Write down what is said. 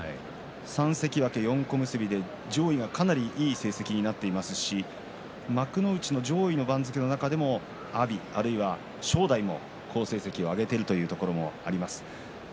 ３関脇４小結で上位がかなりいい成績になっていますし幕内の上位の番付の中でも阿炎、あるいは正代も好成績を挙げているというところもあります。